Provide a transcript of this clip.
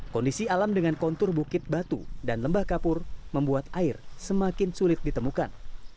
kondisi alam dengan kontur bukit batu dan lembah kapur membuat air semakin sulit ditemukan